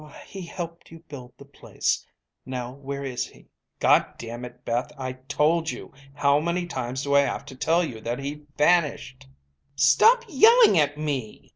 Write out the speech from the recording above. "He helped you build the place. Now where is he?" "Goddammit, Beth, I told you! How many times do I have to tell you that he vanished!" "Stop yelling at me!"